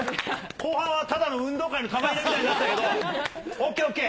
後半はただの運動会の球入れみたいになってたけど、ＯＫ、ＯＫ。